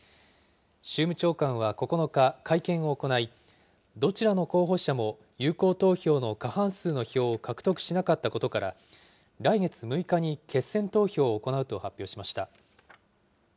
州務長官は９日、会見を行い、どちらの候補者も、有効投票の過半数の票を獲得しなかったことから、来月６日に決選投票を行うと発表しました。